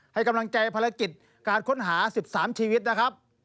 ให้กำลังใจภารกิจการค้นหา๑๓ชีวิตนะครับ